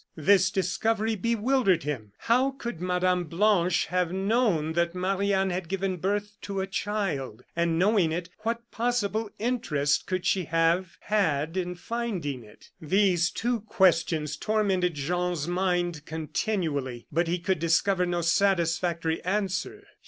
This discovery bewildered him. How could Mme. Blanche have known that Marie Anne had given birth to a child; and knowing it, what possible interest could she have had in finding it? These two questions tormented Jean's mind continually; but he could discover no satisfactory answer.